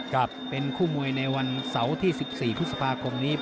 กับเป็นคู่มวยในวันเสาร์ที่๑๔พฤษภาคมนี้